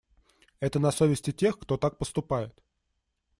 Это на совести тех, кто так поступает.